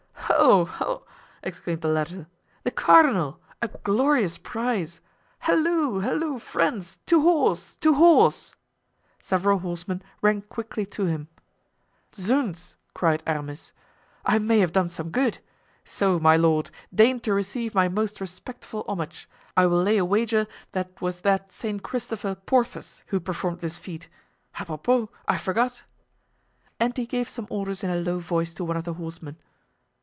"Ho! ho!" exclaimed the latter, "the cardinal! a glorious prize! Halloo! halloo! friends! to horse! to horse!" Several horsemen ran quickly to him. "Zounds!" cried Aramis, "I may have done some good; so, my lord, deign to receive my most respectful homage! I will lay a wager that 'twas that Saint Christopher, Porthos, who performed this feat! Apropos! I forgot——" and he gave some orders in a low voice to one of the horsemen.